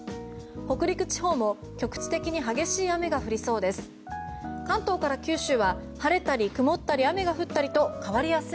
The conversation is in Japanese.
北陸地方も局地的に激しい雨が降りそうです。